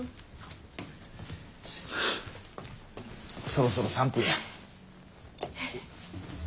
そろそろ３分や。